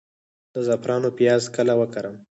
د زعفرانو پیاز کله وکرم؟